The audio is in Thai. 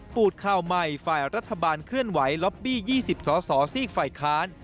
ปูดข่าวใหม่ฝ่ายรัฐบาลเคลื่อนไหวล็อบบี้๒๐สอสอซีกฝ่ายค้าน